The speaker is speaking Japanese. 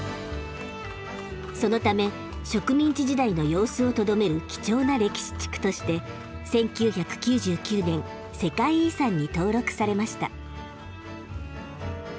そのため植民地時代の様子をとどめる貴重な歴史地区として１９９９年世界遺産に登録されました。